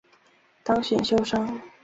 当选修生